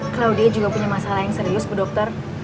claudiate juga punya masalah yang serius bu dokter